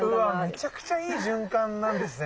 めちゃくちゃいい循環なんですね。